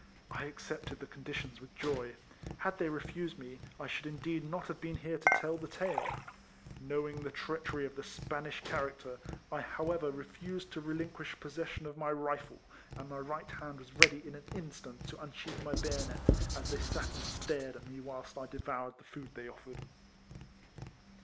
I accepted the conditions with joy. Had they refused me, I should indeed not have been here to tell the tale. Knowing the treachery of the Spanish character, I however refused to relinquish possession of my rifle, and my right hand was ready in an instant to un RIFLEMAN HARRIS. 223 sheath my bayonet, as they sat and stared at me whilst I devoured the food they offered.